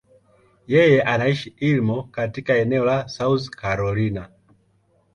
Yeye anaishi Irmo, katika eneo la South Carolina.